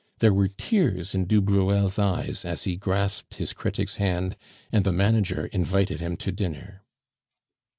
There were tears in du Bruel's eyes as he grasped his critic's hand, and the manager invited him to dinner.